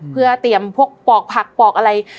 เพื่อเตรียมพวกปอกผักปอกอะไร